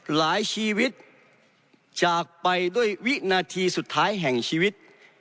หลายชีวิตจากไปด้วยวินาทีสุดท้ายแห่งชีวิต